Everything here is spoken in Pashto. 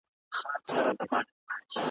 په خپل خوب خوښيدل.